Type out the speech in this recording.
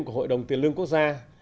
của hội đồng tiền lương quốc gia